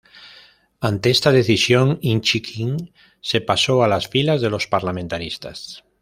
Ante esta decisión, Inchiquin se pasó a las filas de los Parlamentaristas.